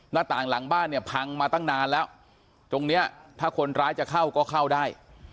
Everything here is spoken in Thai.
หน้าต่างหลังบ้านเนี่ยพังมาตั้งนานแล้วตรงเนี้ยถ้าคนร้ายจะเข้าก็เข้าได้